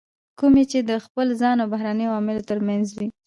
کومې چې د خپل ځان او بهرنیو عواملو ترمنځ وي.